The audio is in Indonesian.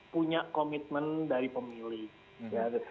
punya komitmen dari pemilih